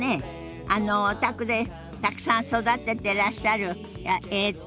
あのお宅でたくさん育ててらっしゃるえっと。